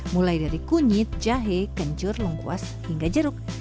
mulai dari kunyit jahe kencur lengkuas hingga jeruk